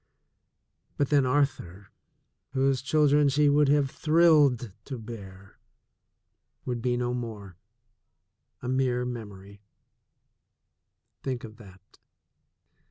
But then Arthur, whose children she would have thrilled to bear, would be no more, a mere memory — think of that!